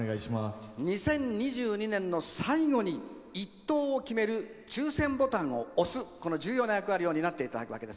２０２２年の最後に１等を決める抽せんボタンを押すという重要な役割を担っていただきます。